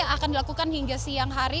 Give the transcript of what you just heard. akan dilakukan hingga siang hari